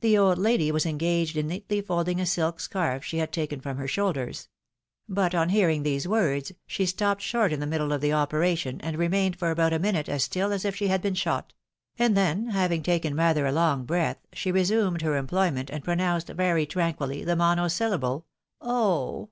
The old lady was engaged in neatly folding a silk scarf she had taken from her shoidders ; but, on hearing these words, she stopped short in the middle of the operation, and remained for about a minute as stiU as if she had been shot ; and then, having taken rather a long breath, she resumed her employment, and pronounced very tranquilly the monosyllable, " Oh